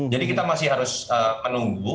jadi kita masih harus menunggu